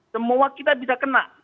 semua kita bisa kena